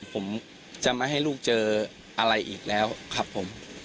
ผมจะไม่ให้ลูกเจออะไรอีกแล้วครับผม